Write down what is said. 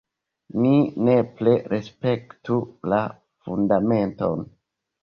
Ni nepre respektu la Fundamenton!